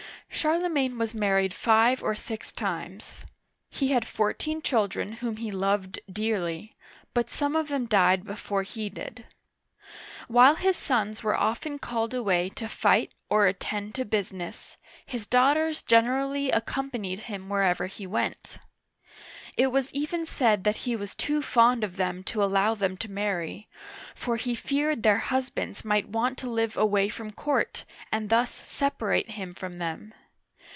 Charlemagne was married five or six times. He had fourteen children whom he loved dearly, but some of them died before he did. While his sons were often called away to fight or attend to business, his daughters generally ac companied him wherever he went. It was even said that he was too fond of them to allow them to marry, for he feared their husbands might want to live away from court, and thus separate him from them.